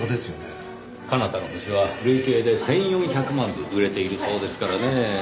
『彼方の星』は累計で１４００万部売れているそうですからねぇ。